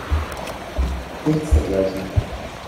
Nichts dergleichen.